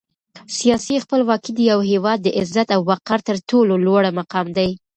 سیاسي خپلواکي د یو هېواد د عزت او وقار تر ټولو لوړ مقام دی.